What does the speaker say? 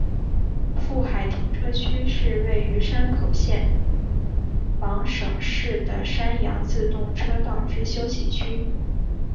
富海停车区是位于山口县防府市的山阳自动车道之休息区。